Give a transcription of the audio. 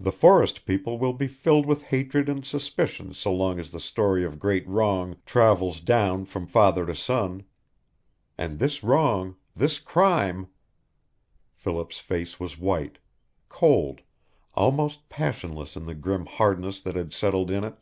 The forest people will be filled with hatred and suspicion so long as the story of great wrong travels down from father to son. And this wrong, this crime " Philip's face was white, cold, almost passionless in the grim hardness that had settled in it.